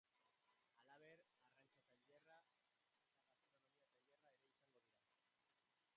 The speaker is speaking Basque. Halaber, arrantza tailerra eta gastronomia tailerra ere izango dira.